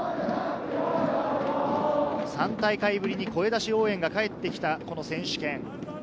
３大会ぶりに声出し応援が帰ってきた選手権。